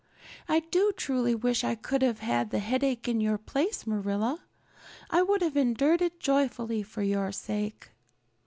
"I do truly wish I could have had the headache in your place, Marilla. I would have endured it joyfully for your sake."